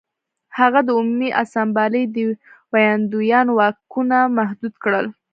هغه د عمومي اسامبلې د ویاندویانو واکونه محدود کړل